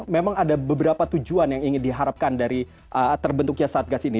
memang ada beberapa tujuan yang ingin diharapkan dari terbentuknya satgas ini